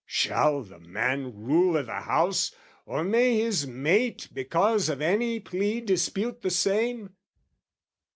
"Shall the man rule i' the house, or may his mate "Because of any plea dispute the same?